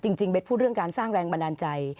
เบสพูดเรื่องการสร้างแรงบันดาลใจ